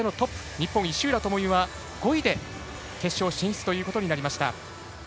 日本、石浦智美は５位で決勝進出ということになりました。